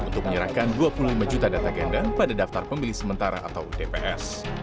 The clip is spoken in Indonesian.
untuk menyerahkan dua puluh lima juta data ganda pada daftar pemilih sementara atau dps